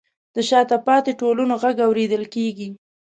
د شاته پاتې ټولنو غږ اورېدل کیږي.